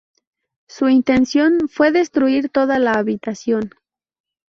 Su intención fue destruir toda la habitación.